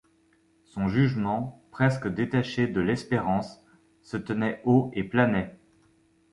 Son jugement, presque détaché de l’espérance, se tenait haut et planait.